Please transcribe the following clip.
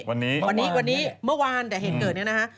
วันนี้วันนี้วันนี้เมื่อวานแต่เหตุเกิดเนี่ยนะฮะ